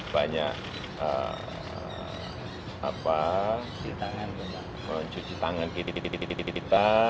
banyak mencuci tangan kita